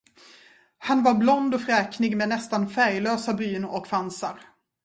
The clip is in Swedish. Han var blond och fräknig med nästan färglösa bryn och fransar.